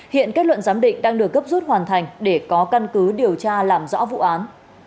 hiện kết luận giám định đang được cấp rút hoàn thành để có căn cứ điều tra làm rõ vụ án